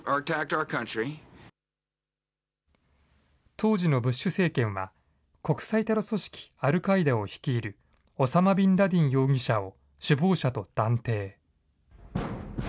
当時のブッシュ政権は、国際テロ組織アルカイダを率いるオサマ・ビンラディン容疑者を首謀者と断定。